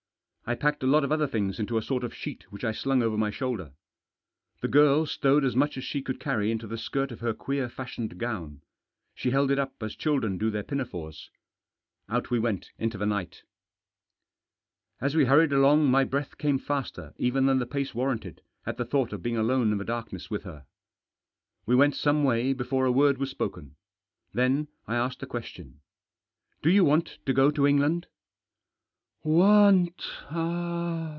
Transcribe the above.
I packed a lot of other things into a sort of sheet which I slung over my shoulder. The girl stowed as much as she could carry into the skirt of her queer fashioned gown. She held it up as chil dren do their pinafores. Out we went into the night. As we hurried along my breath came faster even than the pace warranted at the thought of being alone in the darkness with her. We went some way before a word was spoken. Then I asked a question. " Do you want to go to England ?"" Want